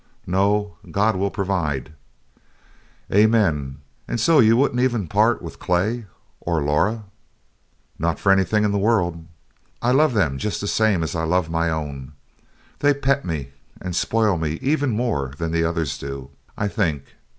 "No. God will provide" "Amen. And so you wouldn't even part with Clay? Or Laura!" "Not for anything in the world. I love them just the same as I love my own: They pet me and spoil me even more than the others do, I think.